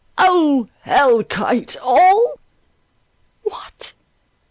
—O hell kite! All? What!